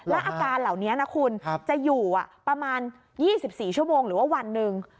อาการเหล่านี้นะคุณจะอยู่ประมาณ๒๔ชั่วโมงหรือว่าวันหนึ่ง